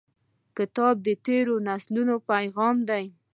کتاب د تیرو نسلونو پیغام دی.